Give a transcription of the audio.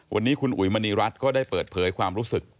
วันนี้คุณอุ๋ยมณีรัฐก็ได้เปิดเผยความรู้สึก